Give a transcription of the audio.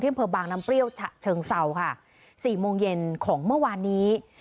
อำเภอบางน้ำเปรี้ยวฉะเชิงเศร้าค่ะสี่โมงเย็นของเมื่อวานนี้